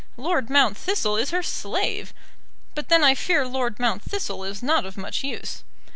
Lord Mount Thistle is her slave, but then I fear Lord Mount Thistle is not of much use.